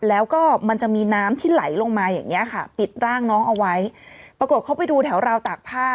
แล้วก็มันจะมีน้ำที่ไหลลงมาอย่างเงี้ยค่ะปิดร่างน้องเอาไว้ปรากฏเขาไปดูแถวราวตากผ้า